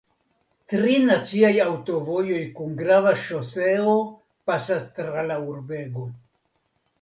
Tri naciaj aŭtovojoj kaj grava ŝoseo pasas tra la urbego.